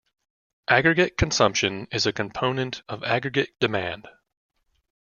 Aggregate consumption is a component of aggregate demand.